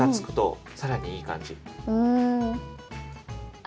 うん。